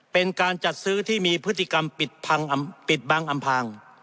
เป็นการจัดซื้อที่มีพฤติกรรมปิดบังอำพาง